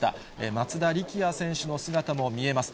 松田力也選手の姿も見えます。